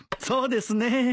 そうですね。